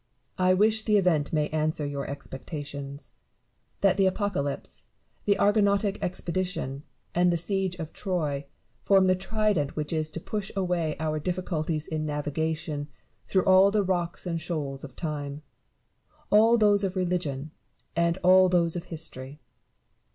Barrow. I wish the event may answer your expec tations; that the Apocalypse, the Argonautic Expedition, and the Siege of Troy, form the trident which is to push away our difficulties in navigating through all the rocks and shoals of time — all those of religion, and all those of history.